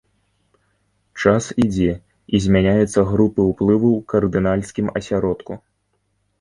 Час ідзе і змяняюцца групы ўплыву ў кардынальскім асяродку.